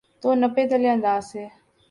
تو نپے تلے انداز سے۔